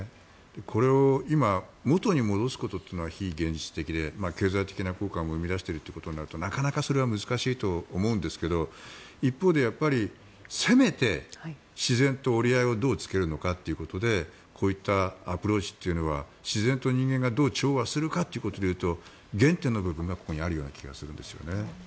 これを今、元に戻すことは非現実的で経済的な効果も生み出しているということになるとなかなかそれは難しいと思うんですけど一方でせめて自然と折り合いをどうつけるのかということでこういったアプローチというのは自然と人間がどう調和するかということでいうと原点の部分がここにあるような気がするんですね。